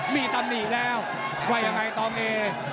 มีตำนีดแล้วว่ายังไงตอมเอ